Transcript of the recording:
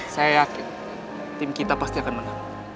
saya yakin tim kita pasti akan menang